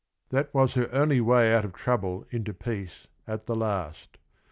That was her only way out of trouble into peace at the last.